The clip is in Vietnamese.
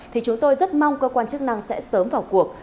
thì chúng tôi rất mong cơ quan chức năng sẽ sớm vào cuộc